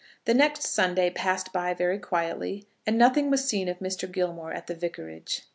The next Sunday passed by very quietly, and nothing was seen of Mr. Gilmore at the Vicarage.